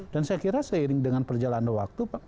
dan saya kira seiring dengan perjalanan waktu